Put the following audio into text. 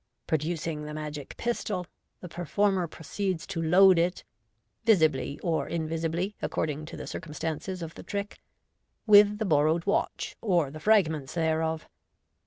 Producing the magic pistol, the performer proceeds to load it (visibly or invisibly, according to the circumstances of the trick) with the borrowed watch or the fragments thereof.